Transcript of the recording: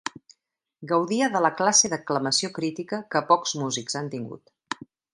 Gaudia de la classe d'aclamació crítica que pocs músics han tingut.